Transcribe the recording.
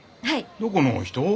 どこのお人？